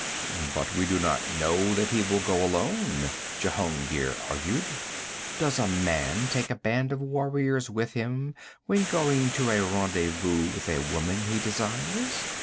'But we do not know that he will go alone,' Jehungir argued. 'Does a man take a band of warriors with him, when going to a rendezvous with a woman he desires?'